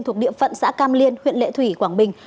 thuộc địa phận xã cam liên huyện lệ thủy quảng bình